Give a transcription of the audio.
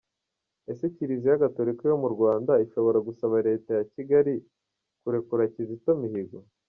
Ese Kiriziya Gatorika yo mu Rwanda ishobora gusaba Leta ya Kigali kurekura Kizito Mihigo ?